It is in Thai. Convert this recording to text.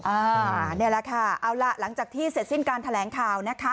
อันนี้แหละค่ะเอาล่ะหลังจากที่เสร็จสิ้นการแถลงข่าวนะคะ